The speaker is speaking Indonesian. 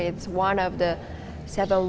itu salah satu dari tujuh perang di dunia